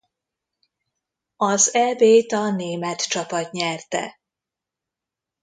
Az Eb-t a német csapat nyerte.